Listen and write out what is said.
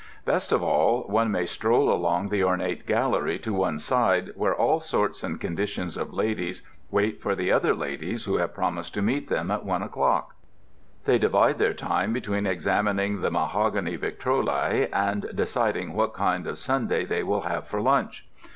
Best of all, one may stroll along the ornate gallery to one side where all sorts and conditions of ladies wait for other ladies who have promised to meet them at one o'clock. They divide their time between examining the mahogany victrolae and deciding what kind of sundae they will have for lunch.